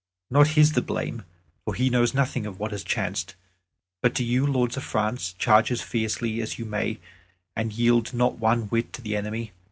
Not his the blame, for he knows nothing of what has chanced. But do you, lords of France, charge as fiercely as you may, and yield not one whit to the enemy.